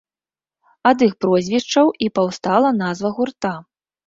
Ад іх прозвішчаў і паўстала назва гурта.